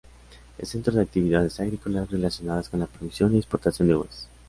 Es centro de actividades agrícolas relacionadas con la producción y exportación de uvas.